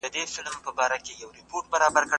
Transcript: علمي څېړنه د ړوند تقلید په پرتله ډېره ګټوره ده.